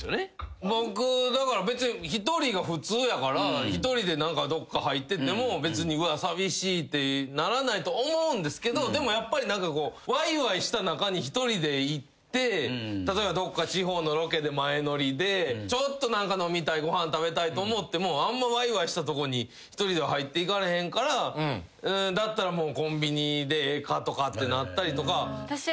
僕別に１人が普通やから１人でどっか入ってってもうわ寂しいってならないと思うんですけどでもやっぱりわいわいした中に１人で行って例えばどっか地方のロケで前乗りでちょっと何か飲みたいご飯食べたいと思ってもあんまわいわいしたとこに１人では入っていかれへんからだったらコンビニでええかとかってなったりとか。